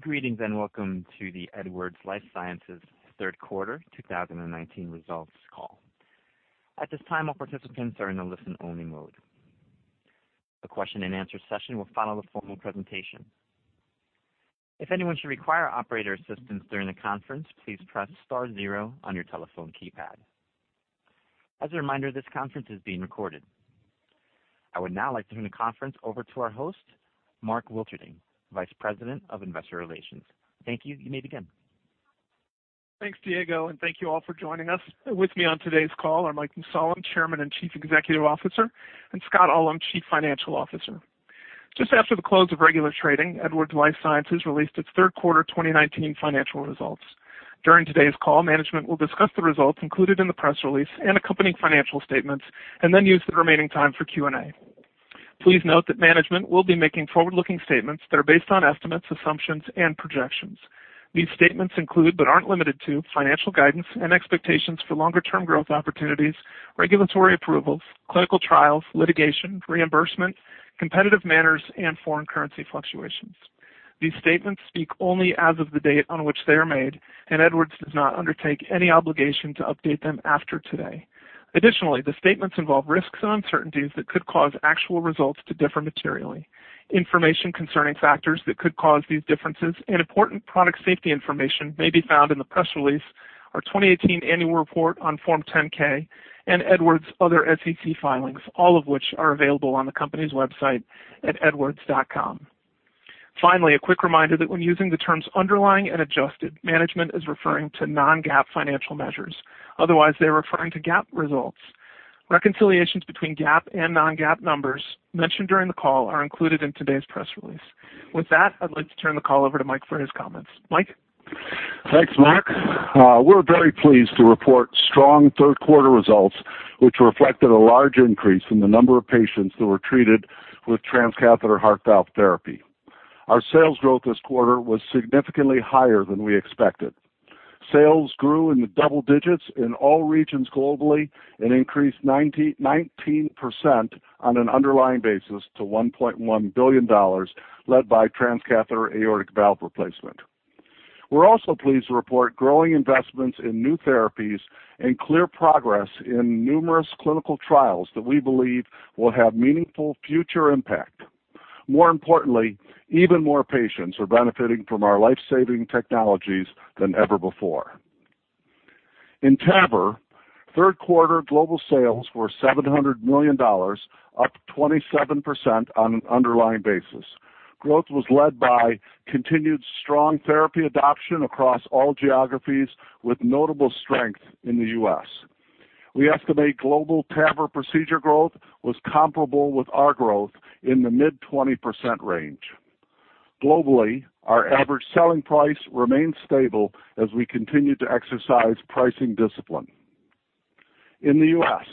Greetings, and welcome to the Edwards Lifesciences third quarter 2019 results call. At this time, all participants are in a listen-only mode. A question and answer session will follow the formal presentation. If anyone should require operator assistance during the conference, please press star zero on your telephone keypad. As a reminder, this conference is being recorded. I would now like to turn the conference over to our host, Mark Wilterding, Vice President of Investor Relations. Thank you. You may begin. Thanks, Diego, and thank you all for joining us. With me on today's call are Mike Mussallem, Chairman and Chief Executive Officer, and Scott Ullem, Chief Financial Officer. Just after the close of regular trading, Edwards Lifesciences released its third quarter 2019 financial results. During today's call, management will discuss the results included in the press release and accompanying financial statements and then use the remaining time for Q&A. Please note that management will be making forward-looking statements that are based on estimates, assumptions, and projections. These statements include, but aren't limited to, financial guidance and expectations for longer-term growth opportunities, regulatory approvals, clinical trials, litigation, reimbursement, competitive manners, and foreign currency fluctuations. These statements speak only as of the date on which they are made, and Edwards does not undertake any obligation to update them after today. Additionally, the statements involve risks and uncertainties that could cause actual results to differ materially. Information concerning factors that could cause these differences and important product safety information may be found in the press release, our 2018 annual report on Form 10-K, and Edwards' other SEC filings, all of which are available on the company's website at edwards.com. Finally, a quick reminder that when using the terms underlying and adjusted, management is referring to non-GAAP financial measures. Otherwise, they're referring to GAAP results. Reconciliations between GAAP and non-GAAP numbers mentioned during the call are included in today's press release. With that, I'd like to turn the call over to Mike for his comments. Mike? Thanks, Mark. We're very pleased to report strong third-quarter results, which reflected a large increase in the number of patients that were treated with transcatheter heart valve therapy. Our sales growth this quarter was significantly higher than we expected. Sales grew in the double digits in all regions globally and increased 19% on an underlying basis to $1.1 billion, led by transcatheter aortic valve replacement. We're also pleased to report growing investments in new therapies and clear progress in numerous clinical trials that we believe will have meaningful future impact. More importantly, even more patients are benefiting from our life-saving technologies than ever before. In TAVR, third quarter global sales were $700 million, up 27% on an underlying basis. Growth was led by continued strong therapy adoption across all geographies, with notable strength in the U.S. We estimate global TAVR procedure growth was comparable with our growth in the mid-20% range. Globally, our average selling price remained stable as we continued to exercise pricing discipline. In the U.S.,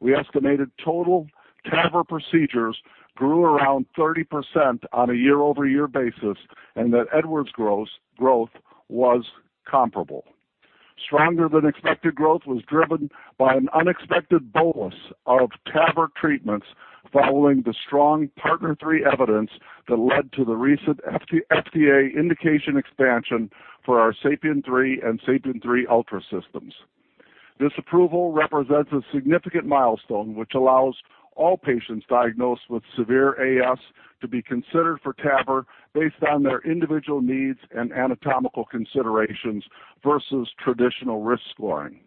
we estimated total TAVR procedures grew around 30% on a year-over-year basis and that Edwards growth was comparable. Stronger than expected growth was driven by an unexpected bolus of TAVR treatments following the strong PARTNER 3 evidence that led to the recent FDA indication expansion for our SAPIEN 3 and SAPIEN 3 Ultra systems. This approval represents a significant milestone, which allows all patients diagnosed with severe AS to be considered for TAVR based on their individual needs and anatomical considerations versus traditional risk scoring.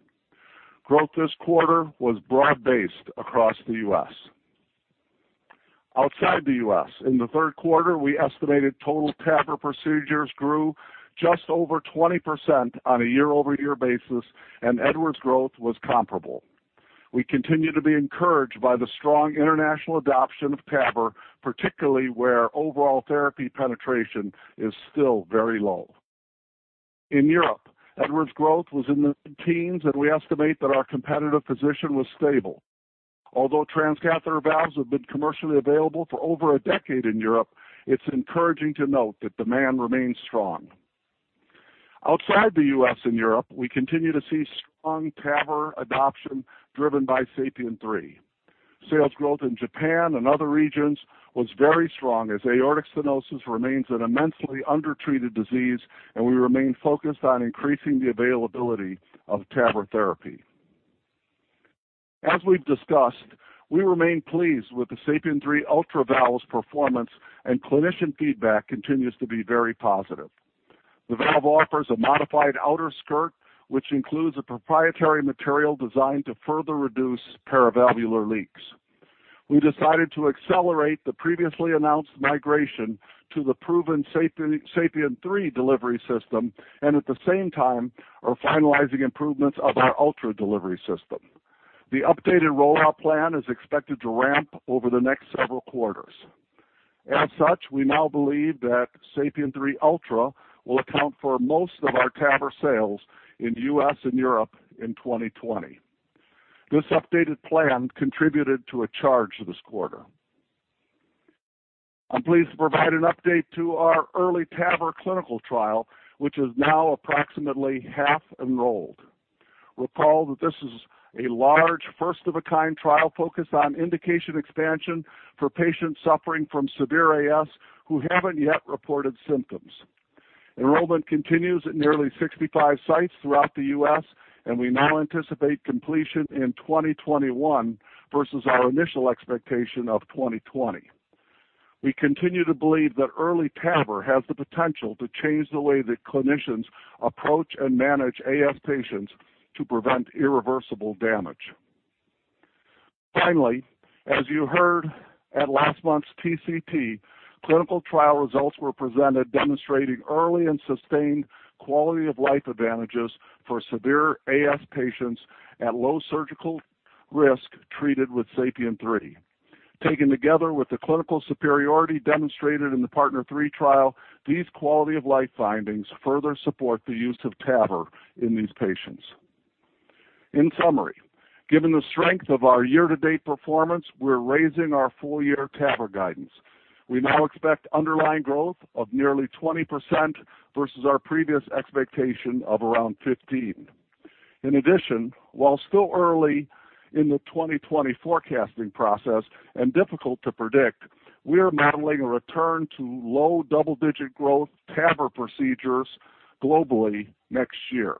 Growth this quarter was broad-based across the U.S. Outside the U.S., in the third quarter, we estimated total TAVR procedures grew just over 20% on a year-over-year basis, and Edwards growth was comparable. We continue to be encouraged by the strong international adoption of TAVR, particularly where overall therapy penetration is still very low. In Europe, Edwards growth was in the teens, and we estimate that our competitive position was stable. Although transcatheter valves have been commercially available for over a decade in Europe, it's encouraging to note that demand remains strong. Outside the U.S. and Europe, we continue to see strong TAVR adoption driven by SAPIEN 3. Sales growth in Japan and other regions was very strong as aortic stenosis remains an immensely undertreated disease, and we remain focused on increasing the availability of TAVR therapy. As we've discussed, we remain pleased with the SAPIEN 3 Ultra valve's performance, and clinician feedback continues to be very positive. The valve offers a modified outer skirt, which includes a proprietary material designed to further reduce paravalvular leaks. We decided to accelerate the previously announced migration to the proven SAPIEN 3 delivery system and at the same time are finalizing improvements of our Ultra delivery system. The updated rollout plan is expected to ramp over the next several quarters. We now believe that SAPIEN 3 Ultra will account for most of our TAVR sales in the U.S. and Europe in 2020. This updated plan contributed to a charge this quarter. I'm pleased to provide an update to our early TAVR clinical trial, which is now approximately half enrolled. Recall that this is a large, first-of-a-kind trial focused on indication expansion for patients suffering from severe AS who haven't yet reported symptoms. Enrollment continues at nearly 65 sites throughout the U.S., and we now anticipate completion in 2021 versus our initial expectation of 2020. We continue to believe that early TAVR has the potential to change the way that clinicians approach and manage AS patients to prevent irreversible damage. Finally, as you heard at last month's TCT, clinical trial results were presented demonstrating early and sustained quality-of-life advantages for severe AS patients at low surgical risk treated with SAPIEN 3. Taken together with the clinical superiority demonstrated in the PARTNER 3 trial, these quality-of-life findings further support the use of TAVR in these patients. In summary, given the strength of our year-to-date performance, we're raising our full-year TAVR guidance. We now expect underlying growth of nearly 20% versus our previous expectation of around 15%. In addition, while still early in the 2020 forecasting process and difficult to predict, we are modeling a return to low double-digit growth TAVR procedures globally next year.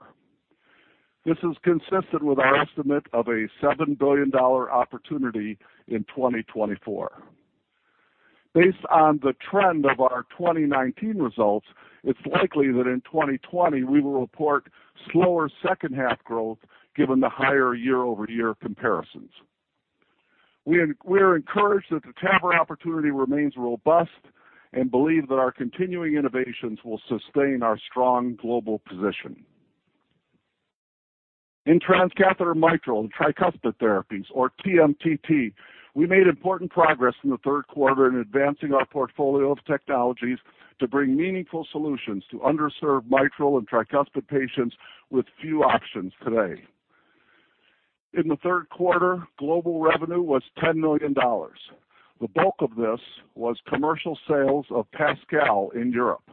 This is consistent with our estimate of a $7 billion opportunity in 2024. Based on the trend of our 2019 results, it's likely that in 2020 we will report slower second-half growth given the higher year-over-year comparisons. We are encouraged that the TAVR opportunity remains robust and believe that our continuing innovations will sustain our strong global position. In transcatheter mitral tricuspid therapies, or TMTT, we made important progress in the third quarter in advancing our portfolio of technologies to bring meaningful solutions to underserved mitral and tricuspid patients with few options today. In the third quarter, global revenue was $10 million. The bulk of this was commercial sales of PASCAL in Europe.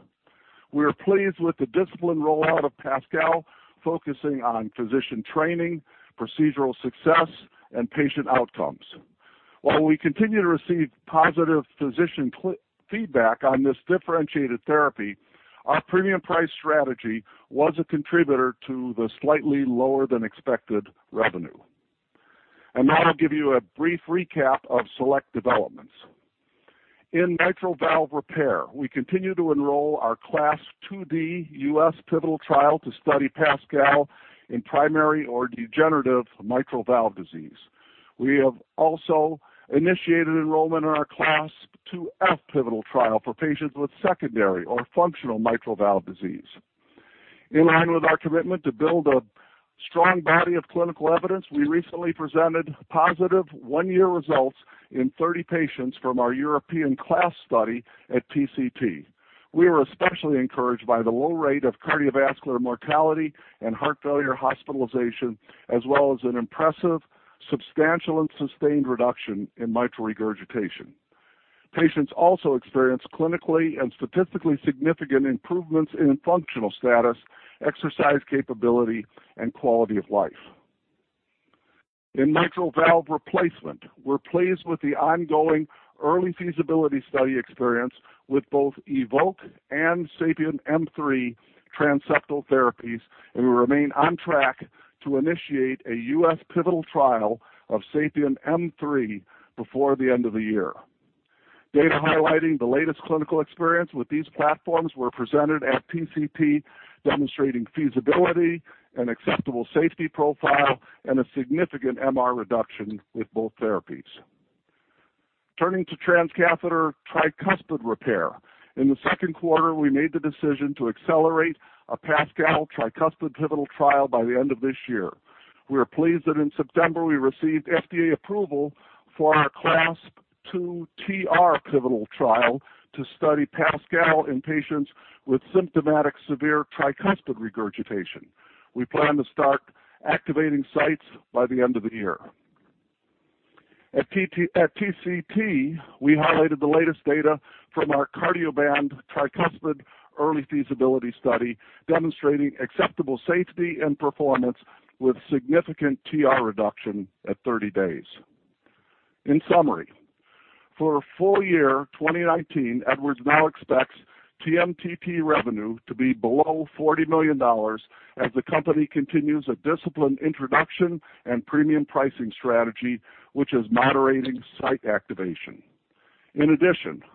We are pleased with the disciplined rollout of PASCAL, focusing on physician training, procedural success, and patient outcomes. While we continue to receive positive physician feedback on this differentiated therapy, our premium price strategy was a contributor to the slightly lower than expected revenue. Now I'll give you a brief recap of select developments. In mitral valve repair, we continue to enroll our CLASP IID U.S. pivotal trial to study PASCAL in primary or degenerative mitral valve disease. We have also initiated enrollment in our CLASP IIF pivotal trial for patients with secondary or functional mitral valve disease. In line with our commitment to build a strong body of clinical evidence, we recently presented positive 1-year results in 30 patients from our European CLASP study at TCT. We were especially encouraged by the low rate of cardiovascular mortality and heart failure hospitalization, as well as an impressive, substantial, and sustained reduction in mitral regurgitation. Patients also experienced clinically and statistically significant improvements in functional status, exercise capability, and quality of life. In mitral valve replacement, we're pleased with the ongoing early feasibility study experience with both EVOLVE and SAPIEN M3 transseptal therapies, and we remain on track to initiate a U.S. pivotal trial of SAPIEN M3 before the end of the year. Data highlighting the latest clinical experience with these platforms were presented at TCT, demonstrating feasibility, an acceptable safety profile, and a significant MR reduction with both therapies. Turning to transcatheter tricuspid repair. In the second quarter, we made the decision to accelerate a PASCAL tricuspid pivotal trial by the end of this year. We are pleased that in September we received FDA approval for our CLASP II TR pivotal trial to study PASCAL in patients with symptomatic severe tricuspid regurgitation. We plan to start activating sites by the end of the year. At TCT, we highlighted the latest data from our Cardioband tricuspid early feasibility study, demonstrating acceptable safety and performance with significant TR reduction at 30 days. In summary, for full-year 2019, Edwards now expects TMTT revenue to be below $40 million as the company continues a disciplined introduction and premium pricing strategy, which is moderating site activation.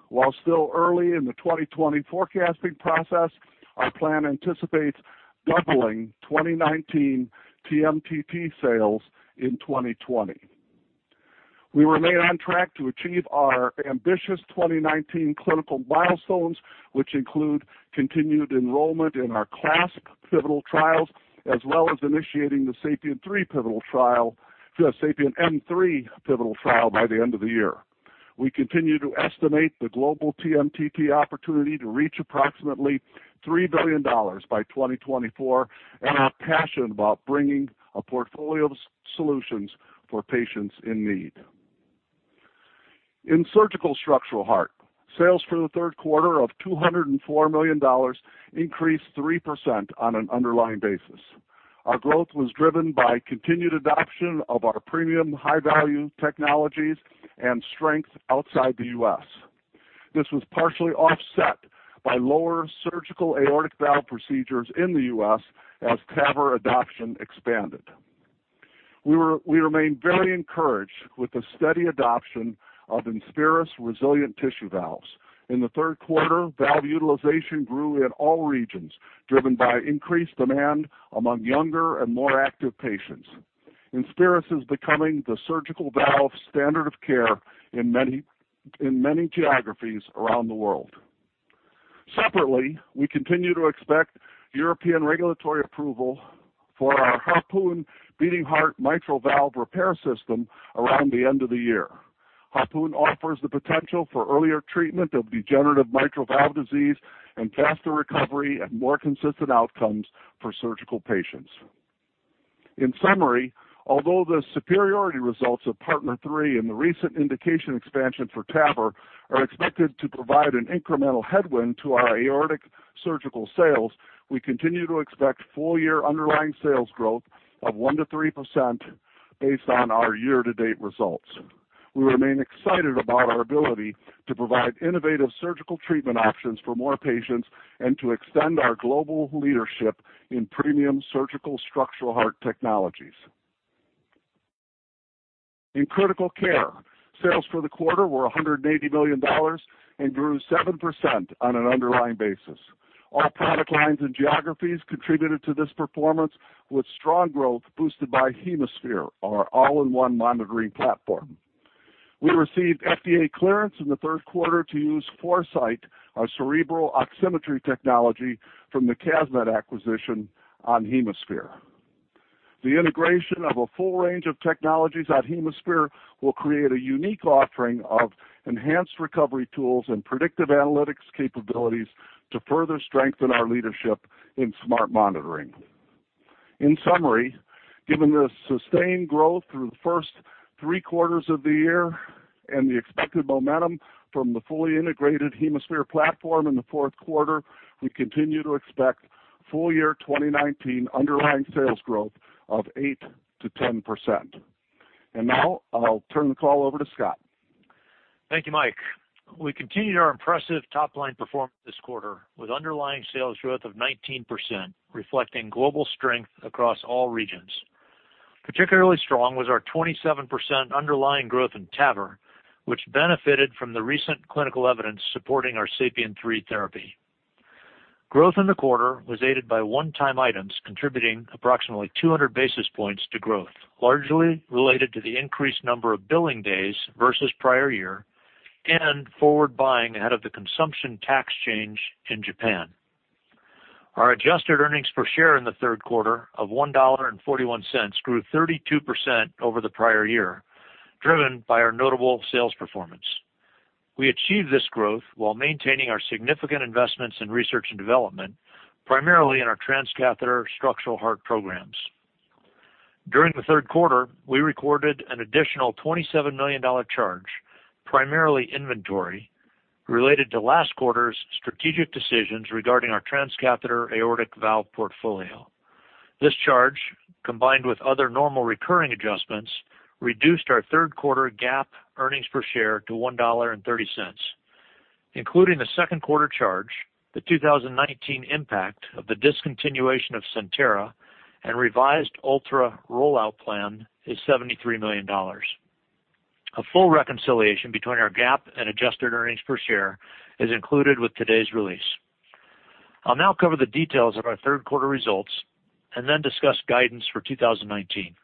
While still early in the 2020 forecasting process, our plan anticipates doubling 2019 TMTT sales in 2020. We remain on track to achieve our ambitious 2019 clinical milestones, which include continued enrollment in our CLASP pivotal trials, as well as initiating the SAPIEN 3 pivotal trial, the SAPIEN M3 pivotal trial by the end of the year. We continue to estimate the global TMTT opportunity to reach approximately $3 billion by 2024 and are passionate about bringing a portfolio of solutions for patients in need. In surgical structural heart, sales for the third quarter of $204 million increased 3% on an underlying basis. Our growth was driven by continued adoption of our premium high-value technologies and strength outside the U.S. This was partially offset by lower surgical aortic valve procedures in the U.S. as TAVR adoption expanded. We remain very encouraged with the steady adoption of INSPIRIS RESILIA tissue valves. In the third quarter, valve utilization grew in all regions, driven by increased demand among younger and more active patients. INSPIRIS is becoming the surgical valve standard of care in many geographies around the world. Separately, we continue to expect European regulatory approval for our HARPOON beating heart mitral valve repair system around the end of the year. HARPOON offers the potential for earlier treatment of degenerative mitral valve disease and faster recovery and more consistent outcomes for surgical patients. In summary, although the superiority results of PARTNER 3 and the recent indication expansion for TAVR are expected to provide an incremental headwind to our aortic surgical sales, we continue to expect full-year underlying sales growth of 1% to 3% based on our year-to-date results. We remain excited about our ability to provide innovative surgical treatment options for more patients and to extend our global leadership in premium surgical structural heart technologies. In critical care, sales for the quarter were $180 million and grew 7% on an underlying basis. All product lines and geographies contributed to this performance, with strong growth boosted by HemoSphere, our all-in-one monitoring platform. We received FDA clearance in the third quarter to use ForeSight, our cerebral oximetry technology from the CasMed acquisition on HemoSphere. The integration of a full range of technologies at HemoSphere will create a unique offering of enhanced recovery tools and predictive analytics capabilities to further strengthen our leadership in smart monitoring. In summary, given the sustained growth through the first three quarters of the year and the expected momentum from the fully integrated HemoSphere platform in the fourth quarter, we continue to expect full-year 2019 underlying sales growth of 8%-10%. Now I'll turn the call over to Scott. Thank you, Mike. We continued our impressive top-line performance this quarter with underlying sales growth of 19%, reflecting global strength across all regions. Particularly strong was our 27% underlying growth in TAVR, which benefited from the recent clinical evidence supporting our SAPIEN 3 therapy. Growth in the quarter was aided by one-time items contributing approximately 200 basis points to growth, largely related to the increased number of billing days versus prior year and forward buying ahead of the consumption tax change in Japan. Our adjusted earnings per share in the third quarter of $1.41 grew 32% over the prior year, driven by our notable sales performance. We achieved this growth while maintaining our significant investments in research and development, primarily in our transcatheter structural heart programs. During the third quarter, we recorded an additional $27 million charge, primarily inventory, related to last quarter's strategic decisions regarding our transcatheter aortic valve portfolio. This charge, combined with other normal recurring adjustments, reduced our third-quarter GAAP earnings per share to $1.30. Including the second quarter charge, the 2019 impact of the discontinuation of CENTERA and revised Ultra rollout plan is $73 million. A full reconciliation between our GAAP and adjusted earnings per share is included with today's release. I'll now cover the details of our third-quarter results and then discuss guidance for 2019.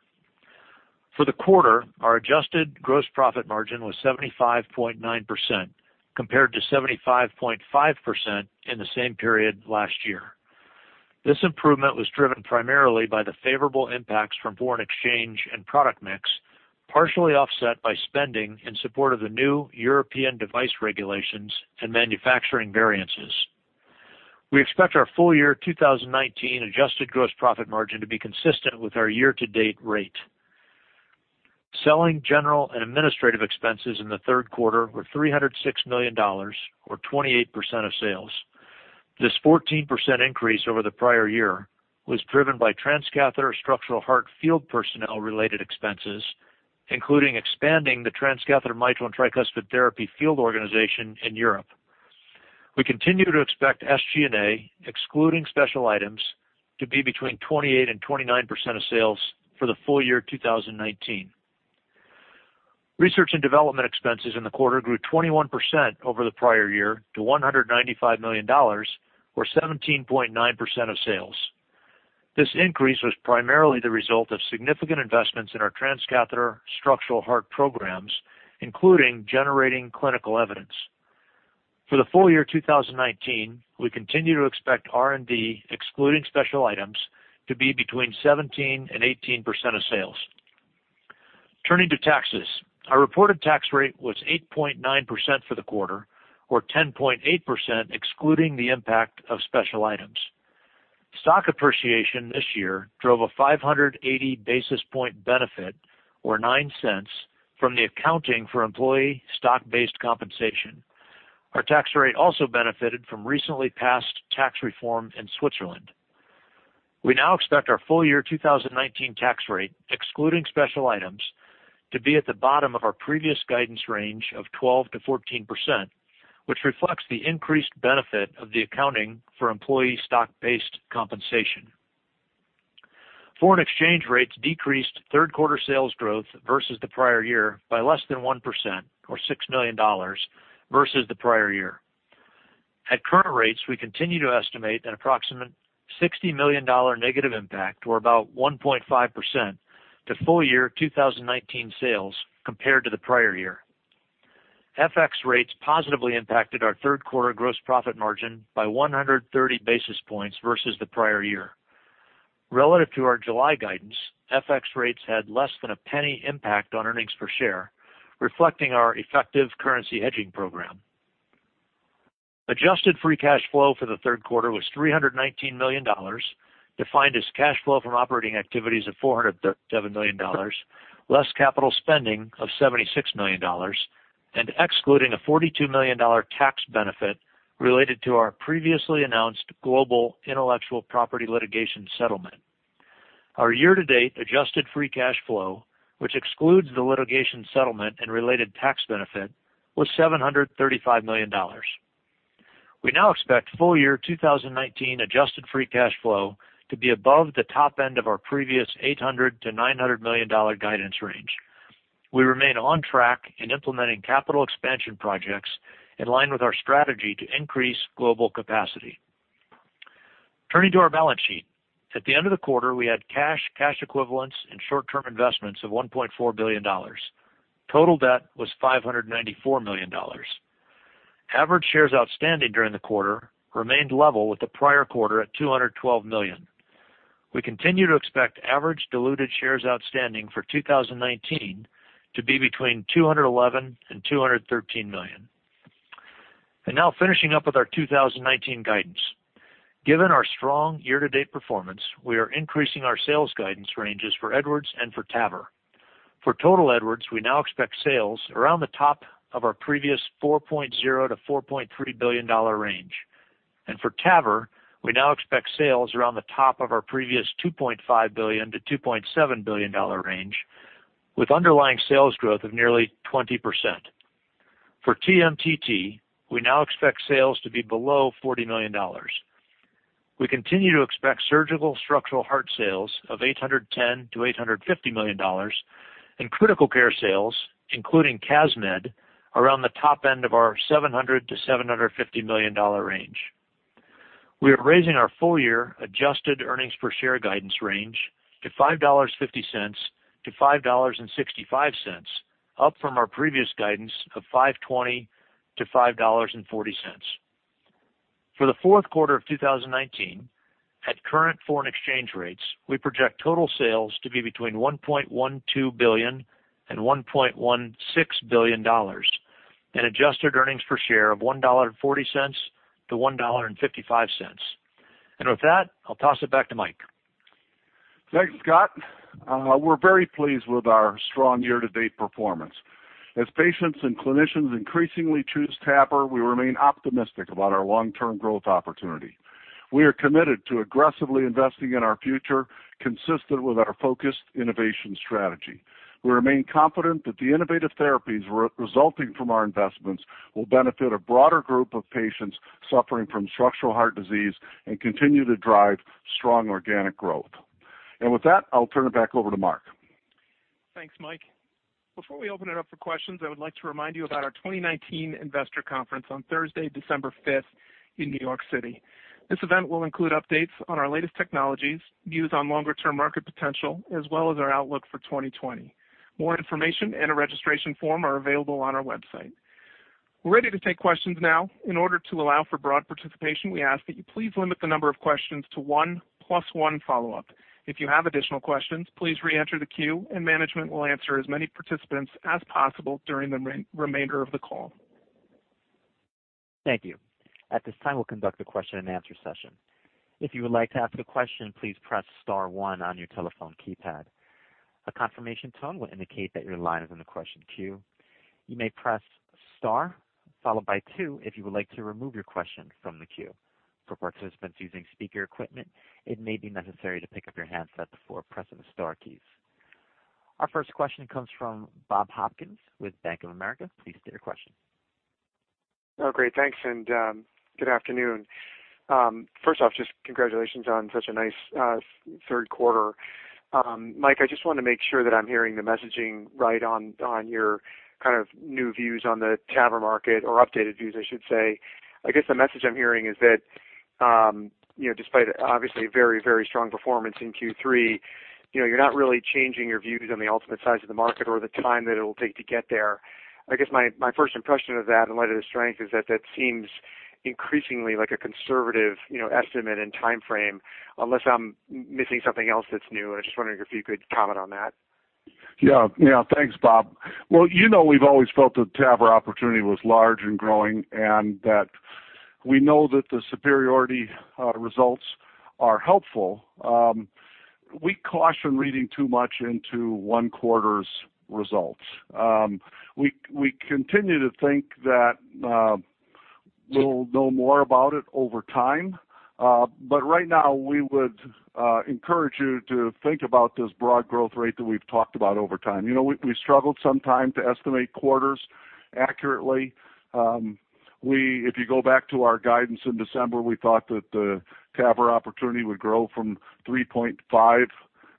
For the quarter, our adjusted gross profit margin was 75.9%, compared to 75.5% in the same period last year. This improvement was driven primarily by the favorable impacts from foreign exchange and product mix, partially offset by spending in support of the new European device regulations and manufacturing variances. We expect our full-year 2019 adjusted gross profit margin to be consistent with our year-to-date rate. Selling, general, and administrative expenses in the third quarter were $306 million or 28% of sales. This 14% increase over the prior year was driven by transcatheter structural heart field personnel-related expenses, including expanding the transcatheter mitral and tricuspid therapy field organization in Europe. We continue to expect SG&A, excluding special items, to be between 28% and 29% of sales for the full year 2019. Research and development expenses in the quarter grew 21% over the prior year to $195 million or 17.9% of sales. This increase was primarily the result of significant investments in our transcatheter structural heart programs, including generating clinical evidence. For the full year 2019, we continue to expect R&D, excluding special items, to be between 17% and 18% of sales. Turning to taxes, our reported tax rate was 8.9% for the quarter or 10.8% excluding the impact of special items. Stock appreciation this year drove a 580 basis point benefit, or $0.09 from the accounting for employee stock-based compensation. Our tax rate also benefited from recently passed tax reform in Switzerland. We now expect our full year 2019 tax rate, excluding special items, to be at the bottom of our previous guidance range of 12%-14%, which reflects the increased benefit of the accounting for employee stock-based compensation. Foreign exchange rates decreased third quarter sales growth versus the prior year by less than 1%, or $6 million, versus the prior year. At current rates, we continue to estimate an approximate $60 million negative impact, or about 1.5%, to full year 2019 sales compared to the prior year. FX rates positively impacted our third quarter gross profit margin by 130 basis points versus the prior year. Relative to our July guidance, FX rates had a less than $0.01 impact on earnings per share, reflecting our effective currency hedging program. Adjusted free cash flow for the third quarter was $319 million, defined as cash flow from operating activities of $407 million, less capital spending of $76 million, and excluding a $42 million tax benefit related to our previously announced global intellectual property litigation settlement. Our year-to-date adjusted free cash flow, which excludes the litigation settlement and related tax benefit, was $735 million. We now expect full year 2019 adjusted free cash flow to be above the top end of our previous $800 million-$900 million guidance range. We remain on track in implementing capital expansion projects in line with our strategy to increase global capacity. Turning to our balance sheet. At the end of the quarter, we had cash equivalents, and short-term investments of $1.4 billion. Total debt was $594 million. Average shares outstanding during the quarter remained level with the prior quarter at 212 million. We continue to expect average diluted shares outstanding for 2019 to be between 211 and 213 million. Now finishing up with our 2019 guidance. Given our strong year-to-date performance, we are increasing our sales guidance ranges for Edwards and for TAVR. For total Edwards, we now expect sales around the top of our previous $4.0 billion-$4.3 billion range. For TAVR, we now expect sales around the top of our previous $2.5 billion-$2.7 billion range with underlying sales growth of nearly 20%. For TMTT, we now expect sales to be below $40 million. We continue to expect surgical structural heart sales of $810 million-$850 million, and critical care sales, including CAS Medical Systems, around the top end of our $700 million-$750 million range. We are raising our full year adjusted earnings per share guidance range to $5.50-$5.65, up from our previous guidance of $5.20-$5.40. For the fourth quarter of 2019, at current foreign exchange rates, we project total sales to be between $1.12 billion and $1.16 billion, and adjusted earnings per share of $1.40-$1.55. With that, I'll toss it back to Mike. Thanks, Scott. We're very pleased with our strong year-to-date performance. As patients and clinicians increasingly choose TAVR, we remain optimistic about our long-term growth opportunity. We are committed to aggressively investing in our future, consistent with our focused innovation strategy. We remain confident that the innovative therapies resulting from our investments will benefit a broader group of patients suffering from structural heart disease and continue to drive strong organic growth. With that, I'll turn it back over to Mark. Thanks, Mike. Before we open it up for questions, I would like to remind you about our 2019 investor conference on Thursday, December 5th in New York City. This event will include updates on our latest technologies, views on longer-term market potential, as well as our outlook for 2020. More information and a registration form are available on our website. We're ready to take questions now. In order to allow for broad participation, we ask that you please limit the number of questions to one, plus one follow-up. If you have additional questions, please re-enter the queue, and management will answer as many participants as possible during the remainder of the call. Thank you. At this time, we'll conduct a question and answer session. If you would like to ask a question, please press *1 on your telephone keypad. A confirmation tone will indicate that your line is in the question queue. You may press * followed by 2 if you would like to remove your question from the queue. For participants using speaker equipment, it may be necessary to pick up your handset before pressing the star keys. Our first question comes from Bob Hopkins with Bank of America. Please state your question. Oh, great. Thanks, and good afternoon. First off, just congratulations on such a nice third quarter. Mike, I just want to make sure that I'm hearing the messaging right on your kind of new views on the TAVR market, or updated views, I should say. I guess the message I'm hearing is that despite obviously a very strong performance in Q3, you're not really changing your views on the ultimate size of the market or the time that it'll take to get there. I guess my first impression of that in light of the strength is that that seems increasingly like a conservative estimate and timeframe, unless I'm missing something else that's new, and I was just wondering if you could comment on that. Yeah. Thanks, Bob. Well, you know we've always felt the TAVR opportunity was large and growing, and that we know that the superiority results are helpful. We caution reading too much into one quarter's results. We continue to think that we'll know more about it over time. Right now, we would encourage you to think about this broad growth rate that we've talked about over time. We struggled some time to estimate quarters accurately. If you go back to our guidance in December, we thought that the TAVR opportunity would grow from $3.5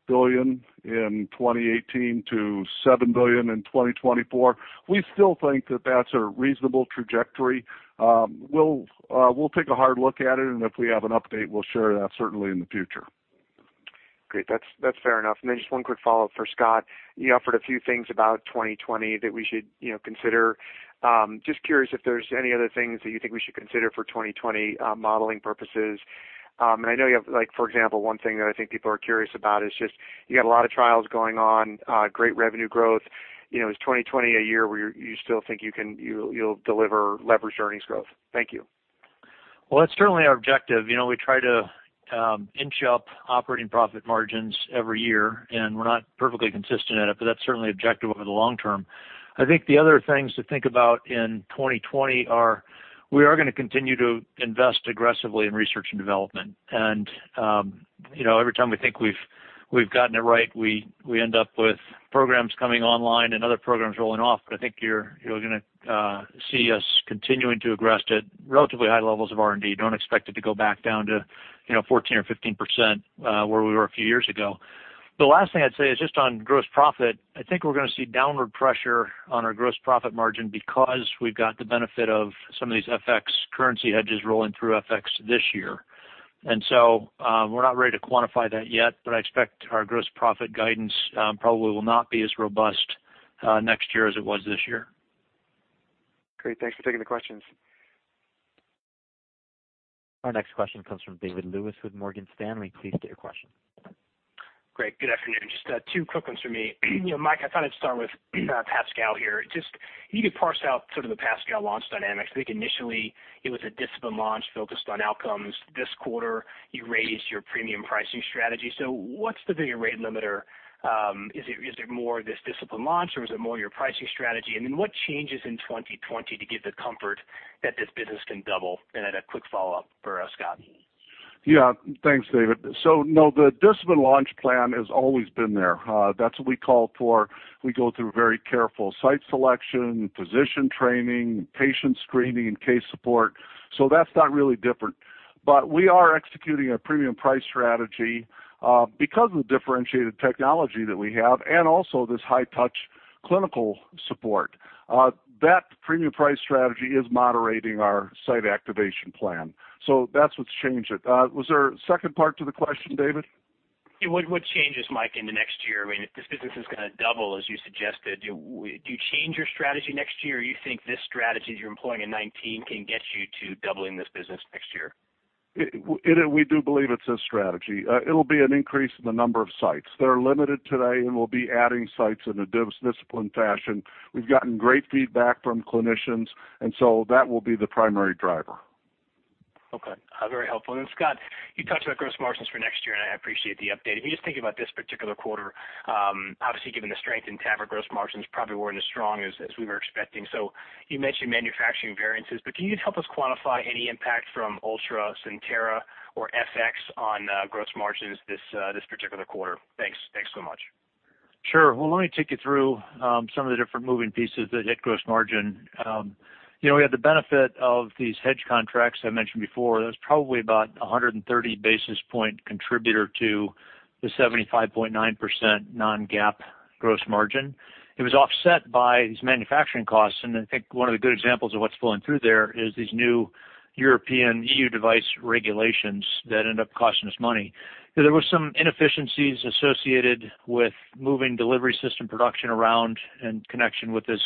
billion in 2018 to $7 billion in 2024. We still think that that's a reasonable trajectory. We'll take a hard look at it, and if we have an update, we'll share that certainly in the future. Great. That's fair enough. Then just one quick follow-up for Scott. You offered a few things about 2020 that we should consider. Just curious if there's any other things that you think we should consider for 2020 modeling purposes. I know you have, for example, one thing that I think people are curious about is just you got a lot of trials going on, great revenue growth. Is 2020 a year where you still think you'll deliver leverage earnings growth? Thank you. Well, that's certainly our objective. We try to inch up operating profit margins every year, and we're not perfectly consistent at it, but that's certainly objective over the long term. I think the other things to think about in 2020 are we are going to continue to invest aggressively in research and development. Every time we think we've gotten it right, we end up with programs coming online and other programs rolling off. I think you're going to see us continuing to aggress at relatively high levels of R&D. Don't expect it to go back down to 14% or 15%, where we were a few years ago. The last thing I'd say is just on gross profit. I think we're going to see downward pressure on our gross profit margin because we've got the benefit of some of these FX currency hedges rolling through FX this year. We're not ready to quantify that yet, but I expect our gross profit guidance probably will not be as robust next year as it was this year. Great. Thanks for taking the questions. Our next question comes from David Lewis with Morgan Stanley. Please state your question. Great. Good afternoon. Just two quick ones for me. Mike, I thought I'd start with PASCAL here. Just if you could parse out sort of the PASCAL launch dynamics. I think initially it was a disciplined launch focused on outcomes. This quarter, you raised your premium pricing strategy. What's the bigger rate limiter? Is it more this disciplined launch, or is it more your pricing strategy? What changes in 2020 to give the comfort that this business can double? A quick follow-up for Scott. Yeah. Thanks, David. No, the disciplined launch plan has always been there. That's what we call for. We go through very careful site selection, physician training, patient screening, and case support. That's not really different. We are executing a premium price strategy because of the differentiated technology that we have and also this high-touch clinical support. That premium price strategy is moderating our site activation plan. That's what's changed it. Was there a second part to the question, David? Yeah. What changes, Mike, in the next year? If this business is going to double, as you suggested, do you change your strategy next year, or you think this strategy that you're employing in 2019 can get you to doubling this business next year? We do believe it's this strategy. It'll be an increase in the number of sites. They are limited today, and we'll be adding sites in a disciplined fashion. We've gotten great feedback from clinicians, and so that will be the primary driver. Okay. Very helpful. Scott, you touched on gross margins for next year, and I appreciate the update. If you just think about this particular quarter, obviously given the strength in TAVR gross margins probably weren't as strong as we were expecting. You mentioned manufacturing variances, but can you just help us quantify any impact from Ultra, CENTERA, or FX on gross margins this particular quarter? Thanks so much. Sure. Let me take you through some of the different moving pieces that hit gross margin. We had the benefit of these hedge contracts I mentioned before. That was probably about 130 basis point contributor to the 75.9% non-GAAP gross margin. It was offset by these manufacturing costs, and I think one of the good examples of what's flowing through there is these new European EU device regulations that end up costing us money. There were some inefficiencies associated with moving delivery system production around in connection with this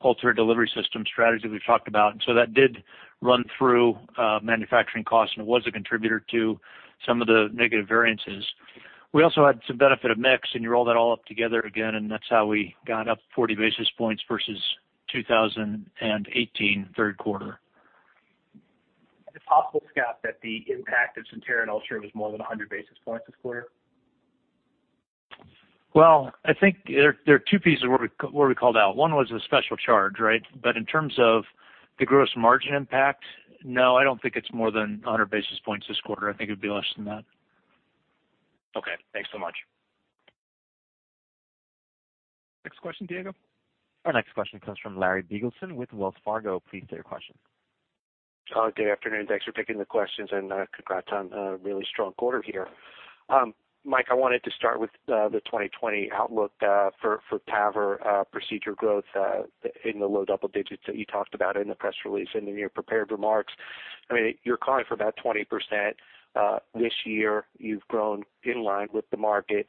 altered delivery system strategy we've talked about, and so that did run through manufacturing costs and was a contributor to some of the negative variances. We also had some benefit of mix, and you roll that all up together again, and that's how we got up 40 basis points versus 2018 third quarter. Is it possible, Scott, that the impact of CENTERA and Ultra was more than 100 basis points this quarter? Well, I think there are two pieces where we called out. One was the special charge, right? In terms of the gross margin impact, no, I don't think it's more than 100 basis points this quarter. I think it'd be less than that. Okay. Thanks so much. Next question, Diego. Our next question comes from Larry Biegelsen with Wells Fargo. Please state your question. Good afternoon. Thanks for taking the questions, and congrats on a really strong quarter here. Mike, I wanted to start with the 2020 outlook for TAVR procedure growth in the low double digits that you talked about in the press release and in your prepared remarks. You're calling for about 20% this year. You've grown in line with the market.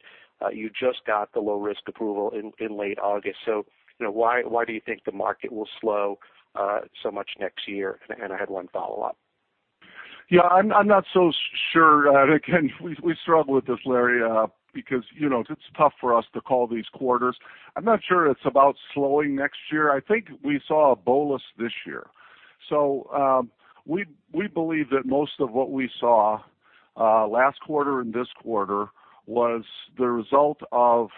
You just got the low-risk approval in late August. Why do you think the market will slow so much next year? I had one follow-up. Yeah, I'm not so sure. We struggle with this, Larry, because it's tough for us to call these quarters. I'm not sure it's about slowing next year. I think we saw a bolus this year. We believe that most of what we saw last quarter and this quarter was the result of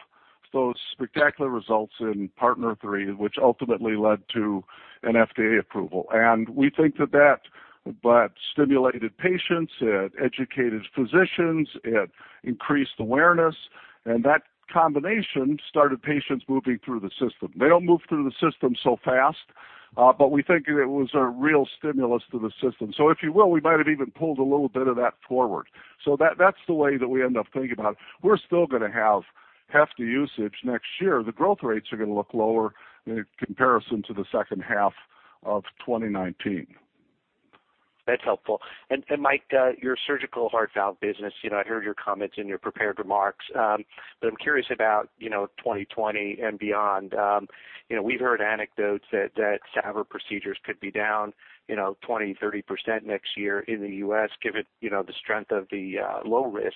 those spectacular results in PARTNER 3, which ultimately led to an FDA approval. We think that that stimulated patients, it educated physicians, it increased awareness, and that combination started patients moving through the system. They don't move through the system so fast. We think it was a real stimulus to the system. If you will, we might have even pulled a little bit of that forward. That's the way that we end up thinking about it. We're still going to have hefty usage next year. The growth rates are going to look lower in comparison to the second half of 2019. That's helpful. Mike, your surgical heart valve business, I heard your comments in your prepared remarks. I'm curious about 2020 and beyond. We've heard anecdotes that TAVR procedures could be down 20%, 30% next year in the U.S., given the strength of the low-risk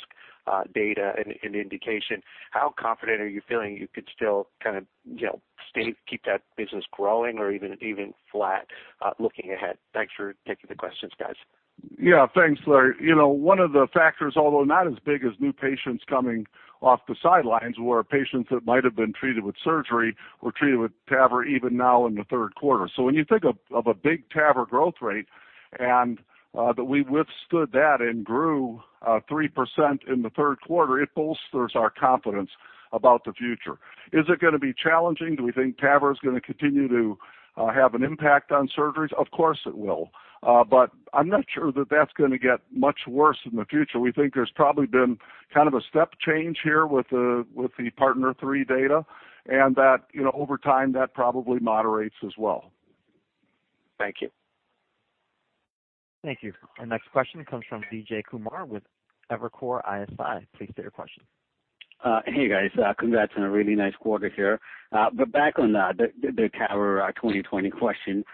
data and indication. How confident are you feeling you could still keep that business growing or even flat, looking ahead? Thanks for taking the questions, guys. Thanks, Larry. One of the factors, although not as big as new patients coming off the sidelines, were patients that might have been treated with surgery were treated with TAVR even now in the third quarter. When you think of a big TAVR growth rate, and that we withstood that and grew 3% in the third quarter, it bolsters our confidence about the future. Is it going to be challenging? Do we think TAVR is going to continue to have an impact on surgeries? Of course it will. I'm not sure that that's going to get much worse in the future. We think there's probably been kind of a step change here with the PARTNER 3 data, and that over time, that probably moderates as well. Thank you. Thank you. Our next question comes from Vijay Kumar with Evercore ISI. Please state your question. Hey, guys. Congrats on a really nice quarter here. Back on the TAVR 2020 question.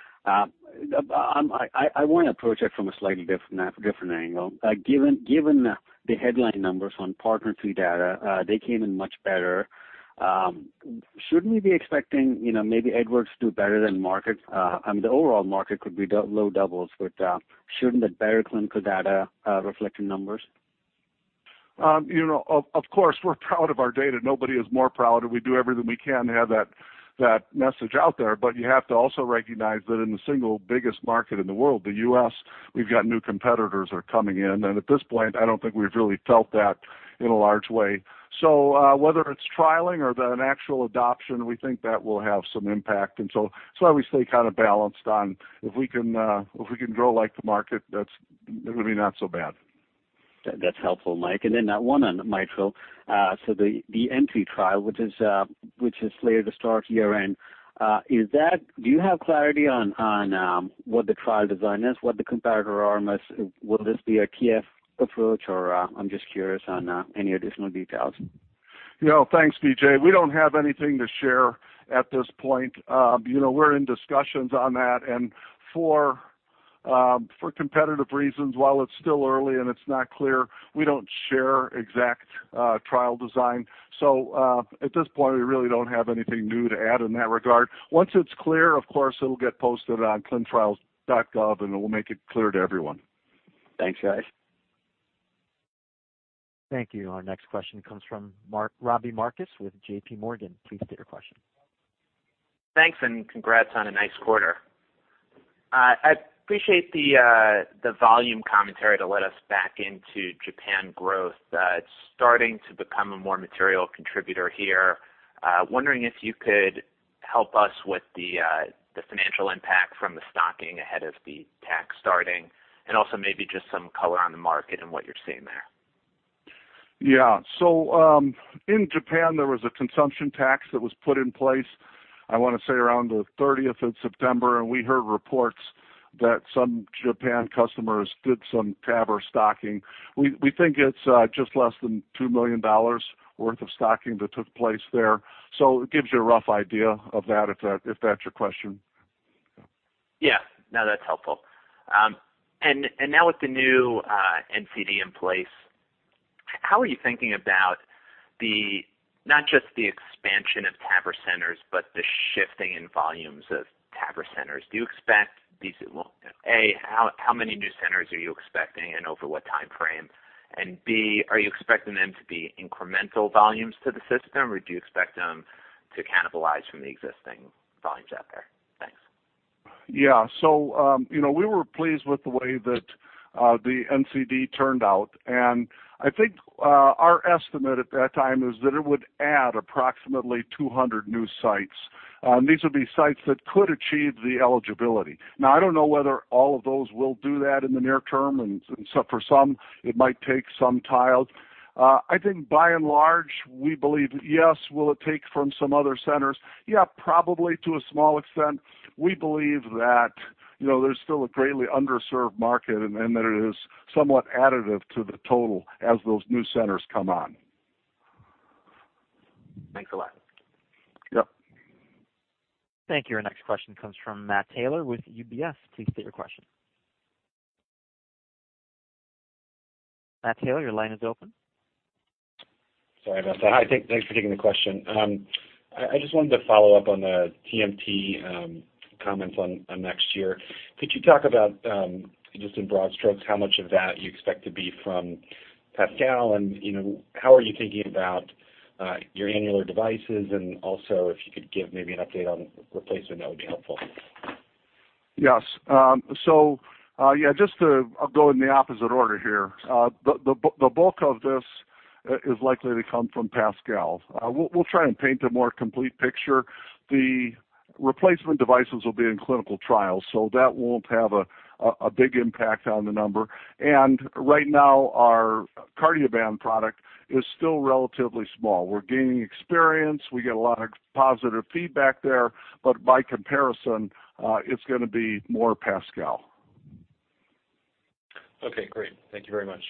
I want to approach it from a slightly different angle. Given the headline numbers on PARTNER 3 data, they came in much better. Shouldn't we be expecting maybe Edwards do better than market? I mean, the overall market could be low doubles, but shouldn't the better clinical data reflect in numbers? We're proud of our data. Nobody is more proud, we do everything we can to have that message out there. You have to also recognize that in the single biggest market in the world, the U.S., we've got new competitors are coming in. At this point, I don't think we've really felt that in a large way. Whether it's trialing or an actual adoption, we think that will have some impact. That's why we stay kind of balanced on if we can grow like the market, that's really not so bad. That's helpful, Mike. Then one on mitral. The ENTRY trial, which is slated to start year-end. Do you have clarity on what the trial design is, what the comparator are? Will this be a TF approach? I'm just curious on any additional details. Thanks, Vijay. We don't have anything to share at this point. We're in discussions on that. For competitive reasons, while it's still early and it's not clear, we don't share exact trial design. At this point, we really don't have anything new to add in that regard. Once it's clear, of course, it'll get posted on ClinicalTrials.gov, and it will make it clear to everyone. Thanks, guys. Thank you. Our next question comes from Robbie Marcus with JPMorgan. Please state your question. Thanks and congrats on a nice quarter. I appreciate the volume commentary to let us back into Japan growth. It's starting to become a more material contributor here. Wondering if you could help us with the financial impact from the stocking ahead of the tax starting, and also maybe just some color on the market and what you're seeing there. In Japan, there was a consumption tax that was put in place, I want to say around the 30th of September, and we heard reports that some Japan customers did some TAVR stocking. We think it's just less than $2 million worth of stocking that took place there. It gives you a rough idea of that, if that's your question? Yeah. No, that's helpful. Now with the new NCD in place, how are you thinking about not just the expansion of TAVR centers, but the shifting in volumes of TAVR centers? A, how many new centers are you expecting and over what time frame? B, are you expecting them to be incremental volumes to the system, or do you expect them to cannibalize from the existing volumes out there? Thanks. We were pleased with the way that the NCD turned out, and I think our estimate at that time is that it would add approximately 200 new sites. These would be sites that could achieve the eligibility. I don't know whether all of those will do that in the near term, for some, it might take some time. I think by and large, we believe, yes, will it take from some other centers? Probably to a small extent. We believe that there's still a greatly underserved market and that it is somewhat additive to the total as those new centers come on. Thanks a lot. Yep. Thank you. Our next question comes from Matt Taylor with UBS. Please state your question. Matt Taylor, your line is open. Sorry about that. Hi. Thanks for taking the question. I just wanted to follow up on the TMT comments on next year. Could you talk about, just in broad strokes, how much of that you expect to be from PASCAL, and how are you thinking about your annular devices, and also if you could give maybe an update on replacement, that would be helpful. Yes. I'll go in the opposite order here. The bulk of this is likely to come from PASCAL. We'll try and paint a more complete picture. The replacement devices will be in clinical trials. That won't have a big impact on the number. Right now, our Cardioband product is still relatively small. We're gaining experience. We get a lot of positive feedback there. By comparison, it's going to be more PASCAL. Okay, great. Thank you very much.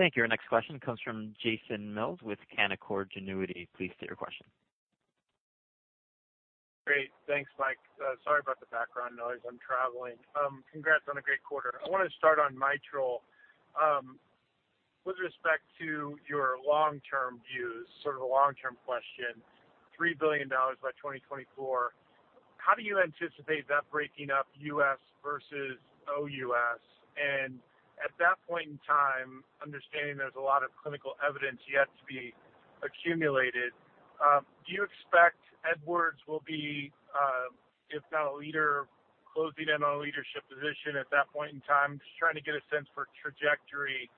Thank you. Our next question comes from Jason Mills with Canaccord Genuity. Please state your question. Great. Thanks, Mike. Sorry about the background noise. I'm traveling. Congrats on a great quarter. I want to start on mitral. With respect to your long-term views, sort of a long-term question, $3 billion by 2024, how do you anticipate that breaking up U.S. versus OUS? At that point in time, understanding there's a lot of clinical evidence yet to be accumulated, do you expect Edwards will be, if not a leader, closing in on a leadership position at that point in time? Just trying to get a sense for trajectory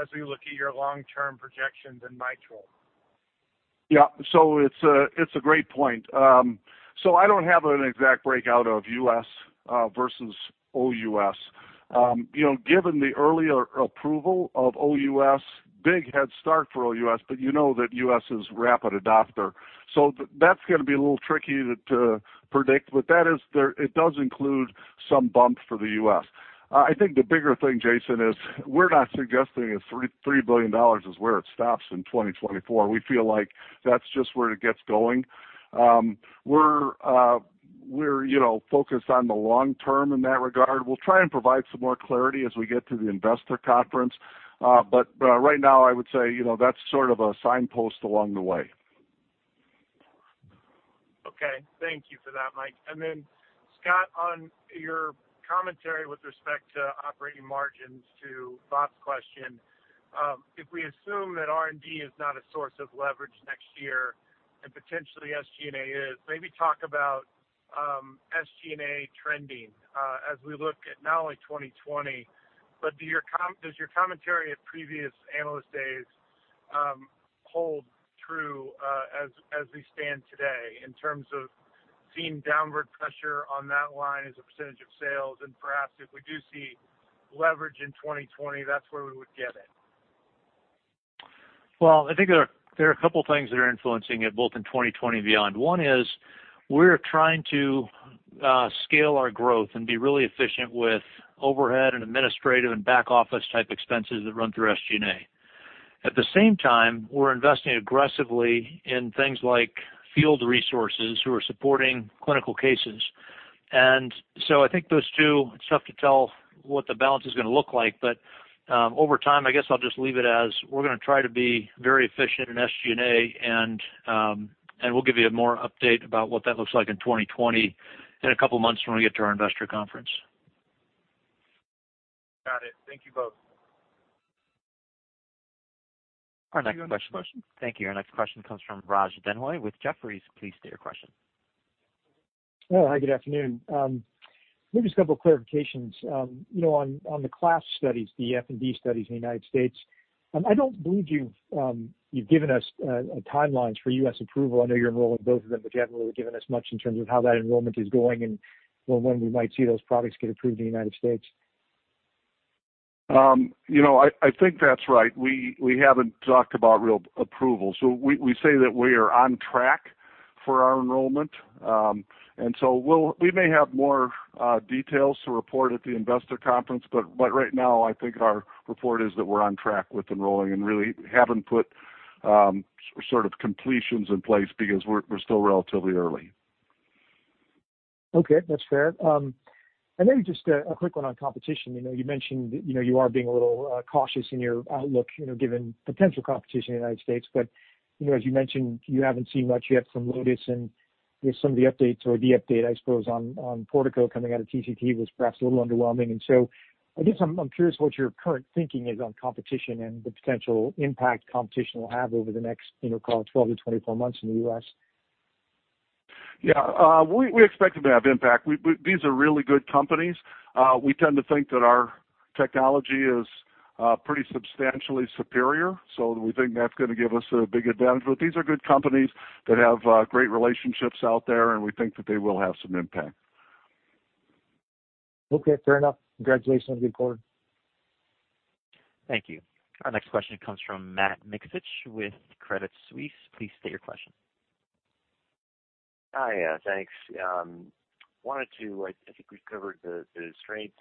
as we look at your long-term projections in mitral. Yeah. It's a great point. I don't have an exact breakout of U.S. versus OUS. Given the earlier approval of OUS, big headstart for OUS, but you know that U.S. is rapid adopter. That's going to be a little tricky to predict, but it does include some bumps for the U.S. I think the bigger thing, Jason, is we're not suggesting that $3 billion is where it stops in 2024. We feel like that's just where it gets going. We're focused on the long term in that regard. We'll try and provide some more clarity as we get to the investor conference. Right now, I would say, that's sort of a signpost along the way. Okay. Thank you for that, Mike. Then Scott, on your commentary with respect to operating margins to Bob's question, if we assume that R&D is not a source of leverage next year and potentially SG&A is, maybe talk about SG&A trending as we look at not only 2020, but does your commentary at previous Analyst Days hold true, as we stand today in terms of seeing downward pressure on that line as a percentage of sales? Perhaps if we do see leverage in 2020, that's where we would get it. Well, I think there are a couple things that are influencing it both in 2020 and beyond. One is we're trying to scale our growth and be really efficient with overhead and administrative and back office type expenses that run through SG&A. At the same time, we're investing aggressively in things like field resources who are supporting clinical cases. I think those two, it's tough to tell what the balance is going to look like, but over time, I guess I'll just leave it as we're going to try to be very efficient in SG&A and we'll give you a more update about what that looks like in 2020 in a couple of months when we get to our investor conference. Got it. Thank you both. Our next question. Thank you. Our next question comes from Raj Denhoy with Jefferies. Please state your question. Oh, hi, good afternoon. Maybe just a couple clarifications. On the CLASP studies, the FMR studies in the U.S., I don't believe you've given us timelines for U.S. approval. I know you're enrolling both of them, but you haven't really given us much in terms of how that enrollment is going and when we might see those products get approved in the U.S. I think that's right. We haven't talked about real approval. We say that we are on track for our enrollment. We may have more details to report at the investor conference, but right now, I think our report is that we're on track with enrolling and really haven't put sort of completions in place because we're still relatively early. Okay, that's fair. Maybe just a quick one on competition. You mentioned that you are being a little cautious in your outlook, given potential competition in the U.S. As you mentioned, you haven't seen much yet from Lotus and some of the updates or the update, I suppose, on Portico coming out of TCT was perhaps a little underwhelming. I guess I'm curious what your current thinking is on competition and the potential impact competition will have over the next call it 12 to 24 months in the U.S. Yeah. We expect it to have impact. These are really good companies. We tend to think that our technology is pretty substantially superior, so we think that's going to give us a big advantage. These are good companies that have great relationships out there, and we think that they will have some impact. Okay, fair enough. Congratulations on a good quarter. Thank you. Our next question comes from Matt Miksic with Credit Suisse. Please state your question. Hi. Thanks. I think we've covered the strength,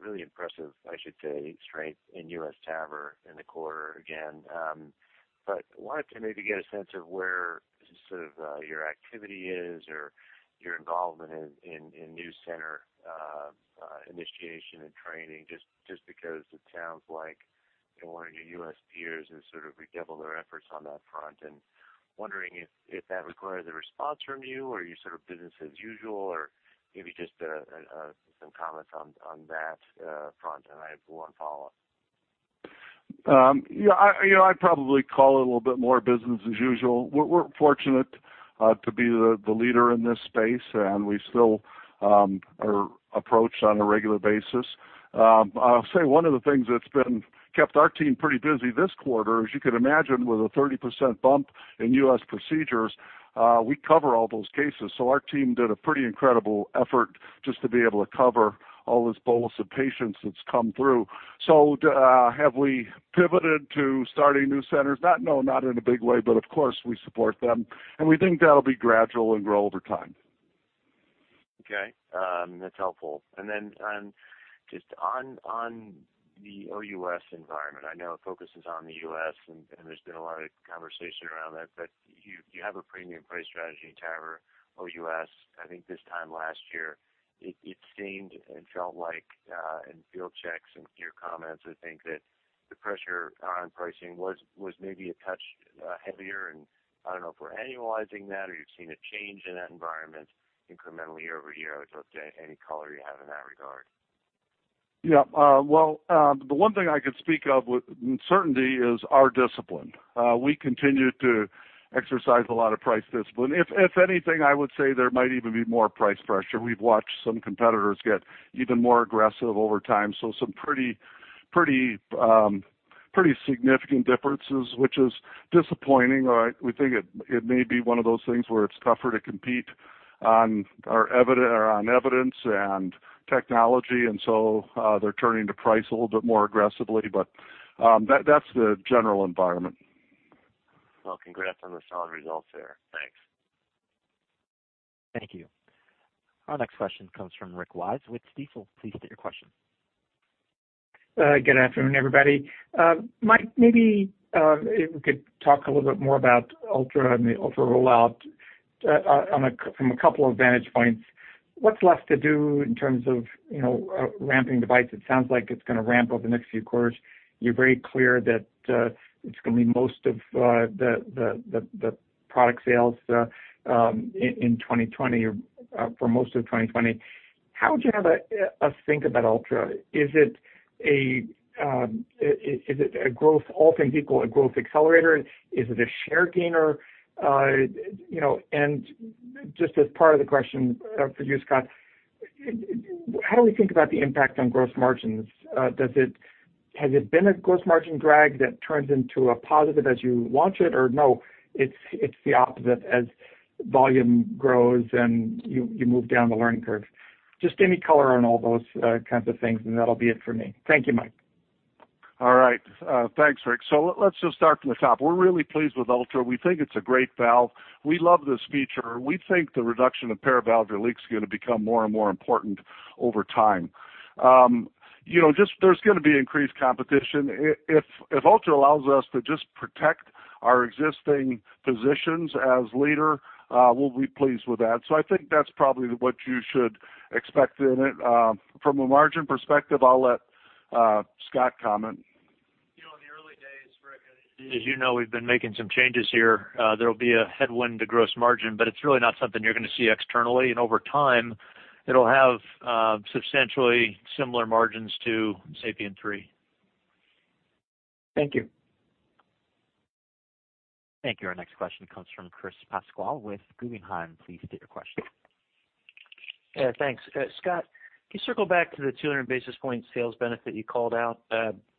really impressive, I should say, strength in U.S. TAVR in the quarter again. Wanted to maybe get a sense of where sort of your activity is or your involvement in new center initiation and training, just because it sounds like one of your U.S. peers has sort of redoubled their efforts on that front, and wondering if that requires a response from you, or are you sort of business as usual, or maybe just some comments on that front. I have one follow-up. Yeah. I'd probably call it a little bit more business as usual. We're fortunate to be the leader in this space, and we still are approached on a regular basis. I'll say one of the things that's kept our team pretty busy this quarter, as you can imagine, with a 30% bump in U.S. procedures, we cover all those cases. Our team did a pretty incredible effort just to be able to cover all this bolus of patients that's come through. Have we pivoted to starting new centers? No, not in a big way, but of course, we support them, and we think that'll be gradual and grow over time. Okay. That's helpful. Just on the OUS environment, I know focus is on the U.S., and there's been a lot of conversation around that, but you have a premium price strategy in TAVR OUS. I think this time last year it seemed and felt like in field checks and peer comments, I think that the pressure on pricing was maybe a touch heavier, and I don't know if we're annualizing that or you've seen a change in that environment incrementally year-over-year. I'd love to get any color you have in that regard. Yeah. Well, the one thing I could speak of with certainty is our discipline. We continue to exercise a lot of price discipline. If anything, I would say there might even be more price pressure. We've watched some competitors get even more aggressive over time, so some pretty significant differences, which is disappointing. We think it may be one of those things where it's tougher to compete on evidence and technology, and so they're turning to price a little bit more aggressively. But that's the general environment. Well, congrats on the solid results there. Thanks. Thank you. Our next question comes from Rick Wise with Stifel. Please state your question. Good afternoon, everybody. Mike, maybe if we could talk a little bit more about Ultra and the Ultra rollout from a couple of vantage points. What's left to do in terms of ramping device? It sounds like it's going to ramp over the next few quarters. You're very clear that it's going to be most of the product sales in 2020 or for most of 2020. How would you have us think about Ultra? Is it all things equal, a growth accelerator? Is it a share gainer? Just as part of the question for you, Scott, how do we think about the impact on gross margins? Has it been a gross margin drag that turns into a positive as you launch it, or no, it's the opposite as volume grows and you move down the learning curve? Just any color on all those kinds of things, and that'll be it for me. Thank you, Mike. All right. Thanks, Rick. Let's just start from the top. We're really pleased with Ultra. We think it's a great valve. We love this feature. We think the reduction of paravalvular leak is going to become more and more important over time. There's going to be increased competition. If Ultra allows us to just protect our existing positions as leader, we'll be pleased with that. I think that's probably what you should expect in it. From a margin perspective, I'll let Scott comment. In the early days, Rick, as you know, we've been making some changes here. There'll be a headwind to gross margin, but it's really not something you're going to see externally. Over time, it'll have substantially similar margins to SAPIEN 3. Thank you. Thank you. Our next question comes from Chris Pasquale with Guggenheim. Please state your question. Thanks. Scott, can you circle back to the 200 basis point sales benefit you called out?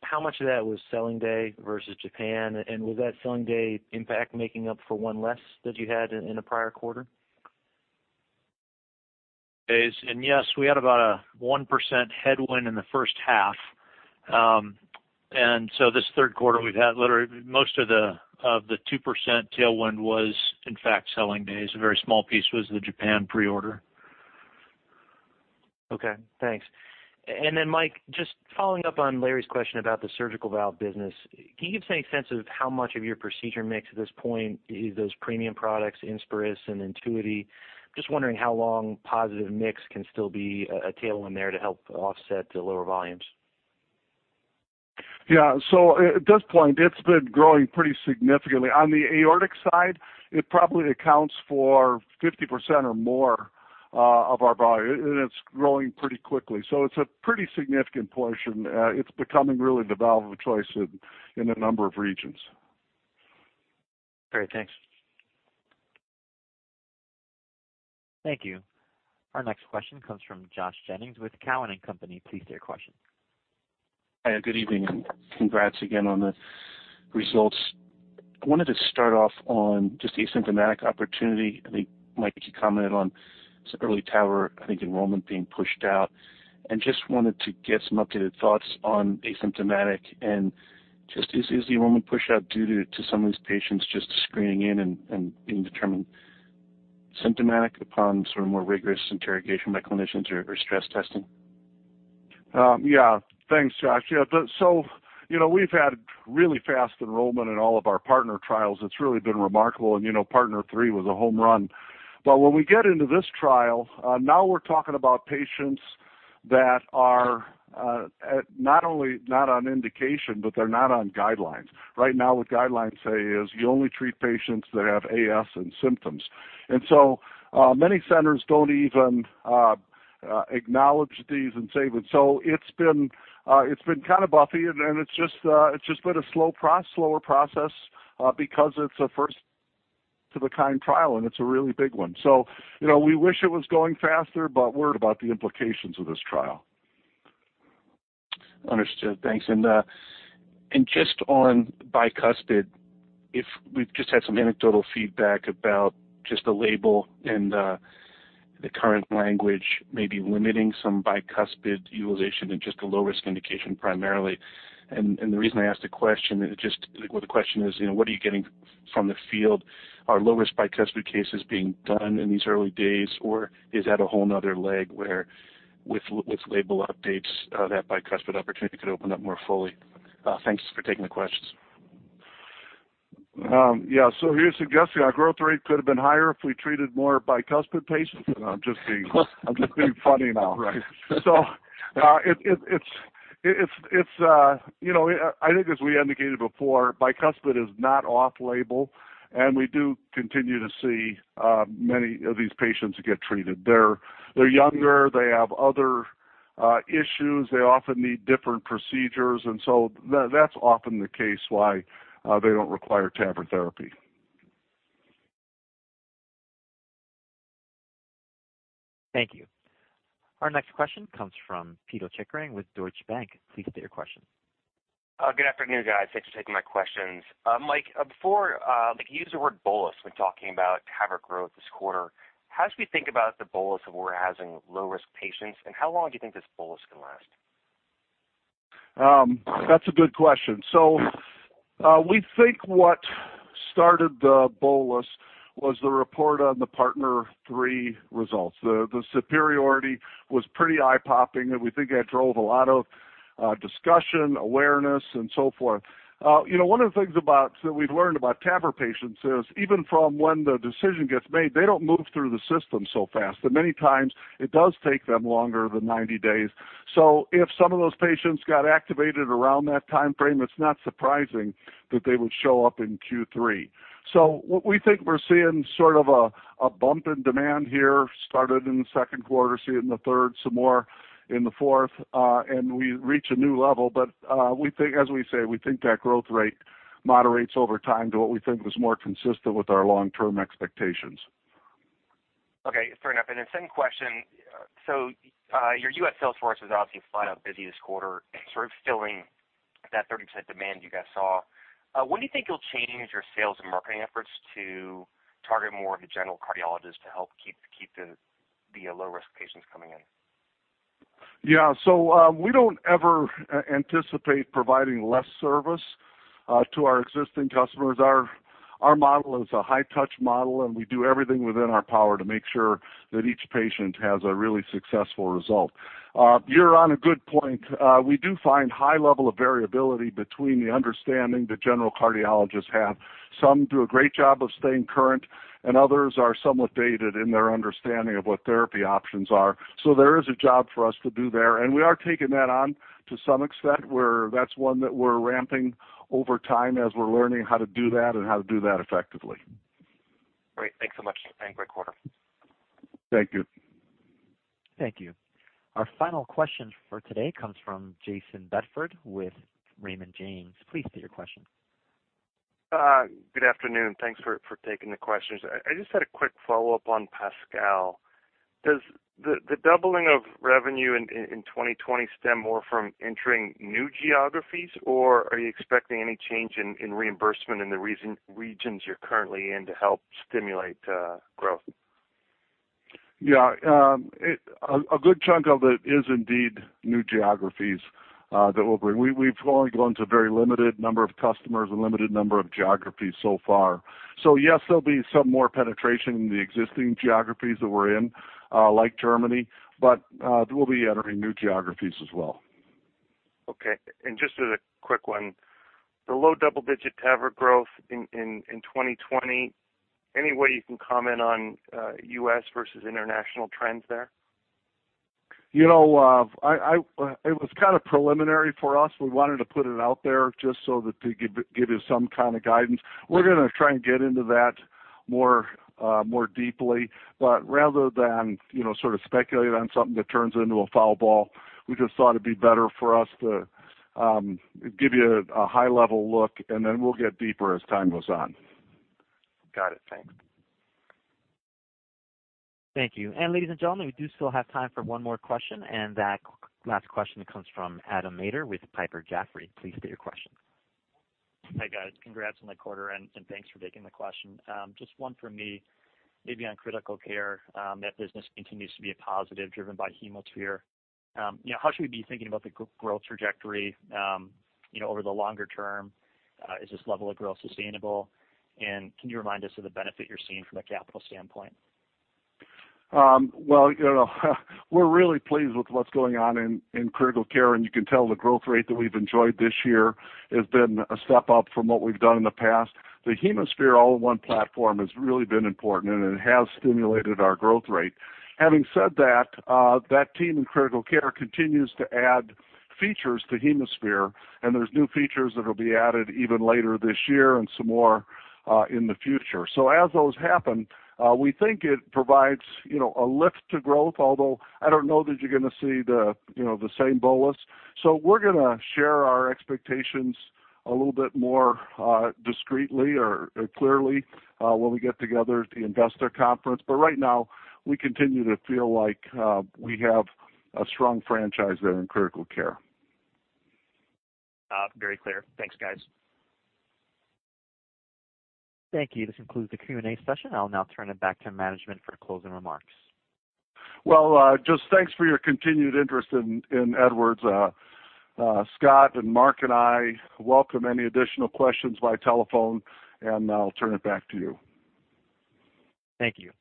How much of that was selling day versus Japan, and was that selling day impact making up for one less that you had in the prior quarter? Yes, we had about a 1% headwind in the first half. This third quarter we've had literally most of the 2% tailwind was in fact selling days. A very small piece was the Japan pre-order. Okay, thanks. Mike, just following up on Larry's question about the surgical valve business, can you give us any sense of how much of your procedure mix at this point is those premium products, INSPIRIS and INTUITY? Just wondering how long positive mix can still be a tailwind there to help offset the lower volumes. Yeah. At this point, it's been growing pretty significantly. On the aortic side, it probably accounts for 50% or more of our volume, and it's growing pretty quickly. It's a pretty significant portion. It's becoming really the valve of choice in a number of regions. Great. Thanks. Thank you. Our next question comes from Josh Jennings with Cowen and Company. Please state your question. Hi, good evening, and congrats again on the results. I wanted to start off on just the asymptomatic opportunity. I think, Mike, you commented on some early TAVR, I think enrollment being pushed out. Just wanted to get some updated thoughts on asymptomatic and is the enrollment push out due to some of these patients just screening in and being determined symptomatic upon sort of more rigorous interrogation by clinicians or stress testing? Yeah. Thanks, Josh. Yeah. We've had really fast enrollment in all of our partner trials. It's really been remarkable. PARTNER 3 was a home run. When we get into this trial, now we're talking about patients that are not only not on indication, but they're not on guidelines. Right now, what guidelines say is you only treat patients that have AS and symptoms. Many centers don't even acknowledge these and say that. It's been kind of bumpy and it's just been a slower process because it's a first to the kind trial and it's a really big one. We wish it was going faster, but worried about the implications of this trial. Understood. Thanks. Just on bicuspid, if we've just had some anecdotal feedback about just the label and the current language may be limiting some bicuspid utilization and just the low-risk indication primarily. The reason I asked the question is just, well the question is, what are you getting from the field? Are low-risk bicuspid cases being done in these early days, or is that a whole another leg where with label updates, that bicuspid opportunity could open up more fully? Thanks for taking the questions. Yeah. Are you suggesting our growth rate could have been higher if we treated more bicuspid patients? I'm just being funny now. Right. I think as we indicated before, bicuspid is not off label, and we do continue to see many of these patients get treated. They're younger, they have other issues. They often need different procedures, and so that's often the case why they don't require TAVR therapy. Thank you. Our next question comes from Pito Chickering with Deutsche Bank. Please state your question. Good afternoon, guys. Thanks for taking my questions. Mike, before you used the word bolus when talking about TAVR growth this quarter. How should we think about the bolus of what it has in low-risk patients, and how long do you think this bolus can last? That's a good question. We think what started the bolus was the report on the PARTNER 3 results. The superiority was pretty eye-popping, and we think that drove a lot of discussion, awareness, and so forth. One of the things that we've learned about TAVR patients is even from when the decision gets made, they don't move through the system so fast. That many times it does take them longer than 90 days. If some of those patients got activated around that timeframe, it's not surprising that they would show up in Q3. What we think we're seeing sort of a bump in demand here, started in the second quarter, see it in the third, some more in the fourth. We reach a new level. As we say, we think that growth rate moderates over time to what we think is more consistent with our long-term expectations. Okay, fair enough. Same question. Your U.S. sales force was obviously flat out busy this quarter sort of filling that 30% demand you guys saw. When do you think you'll change your sales and marketing efforts to target more of the general cardiologists to help keep the low-risk patients coming in? Yeah, we don't ever anticipate providing less service to our existing customers. Our model is a high touch model, and we do everything within our power to make sure that each patient has a really successful result. You're on a good point. We do find high level of variability between the understanding the general cardiologists have. Some do a great job of staying current, and others are somewhat dated in their understanding of what therapy options are. There is a job for us to do there, and we are taking that on to some extent, where that's one that we're ramping over time as we're learning how to do that and how to do that effectively. Great. Thanks so much. Have a great quarter. Thank you. Thank you. Our final question for today comes from Jayson Bedford with Raymond James. Please state your question. Good afternoon. Thanks for taking the questions. I just had a quick follow-up on PASCAL. Does the doubling of revenue in 2020 stem more from entering new geographies, or are you expecting any change in reimbursement in the regions you're currently in to help stimulate growth? Yeah. A good chunk of it is indeed new geographies that we'll bring. We've only gone to a very limited number of customers and limited number of geographies so far. Yes, there'll be some more penetration in the existing geographies that we're in, like Germany, but we'll be entering new geographies as well. Okay. Just as a quick one, the low double-digit TAVR growth in 2020, any way you can comment on U.S. versus international trends there? It was kind of preliminary for us. We wanted to put it out there just so that to give you some kind of guidance. We're going to try and get into that more deeply. Rather than sort of speculate on something that turns into a foul ball, we just thought it'd be better for us to give you a high-level look and then we'll get deeper as time goes on. Got it. Thanks. Thank you. Ladies and gentlemen, we do still have time for one more question. That last question comes from Adam Maeder with Piper Jaffray. Please state your question. Hi guys. Congrats on the quarter, thanks for taking the question. Just one for me, maybe on critical care. That business continues to be a positive driven by HemoSphere. How should we be thinking about the growth trajectory over the longer term? Is this level of growth sustainable? Can you remind us of the benefit you're seeing from a capital standpoint? Well, we're really pleased with what's going on in critical care, and you can tell the growth rate that we've enjoyed this year has been a step up from what we've done in the past. The HemoSphere all-in-one platform has really been important, and it has stimulated our growth rate. Having said that team in critical care continues to add features to HemoSphere, and there's new features that will be added even later this year and some more in the future. As those happen, we think it provides a lift to growth, although I don't know that you're going to see the same bolus. We're going to share our expectations a little bit more discreetly or clearly when we get together at the investor conference. Right now, we continue to feel like we have a strong franchise there in critical care. Very clear. Thanks, guys. Thank you. This concludes the Q&A session. I'll now turn it back to management for closing remarks. Well, just thanks for your continued interest in Edwards. Scott and Mark and I welcome any additional questions by telephone, and I'll turn it back to you. Thank you.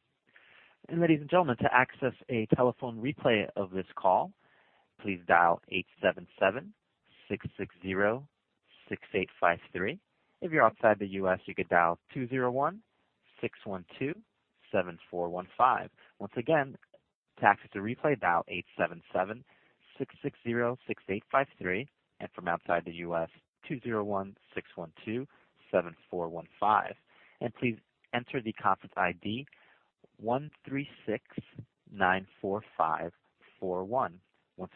Ladies and gentlemen, to access a telephone replay of this call, please dial 877-660-6853. If you're outside the U.S., you can dial 201-612-7415. Once again, to access the replay, dial 877-660-6853, and from outside the U.S., 201-612-7415. Please enter the conference ID 13694541. Once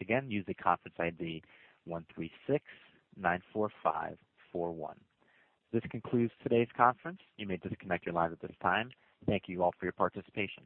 again, use the conference ID 13694541. This concludes today's conference. You may disconnect your line at this time. Thank you all for your participation.